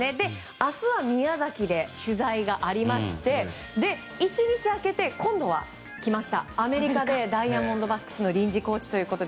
明日は宮崎で取材がありまして１日空けて、今度はアメリカではダイヤモンドバックスの臨時コーチということで。